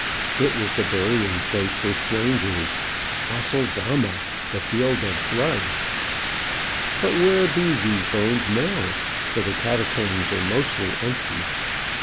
It was the burying place for strangers, Aceldama, the field of blood. But where be these bones now? for the catacombs are mostly empty.